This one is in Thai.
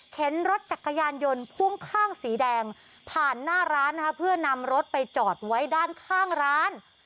รถจักรยานยนต์พ่วงข้างสีแดงผ่านหน้าร้านนะคะเพื่อนำรถไปจอดไว้ด้านข้างร้าน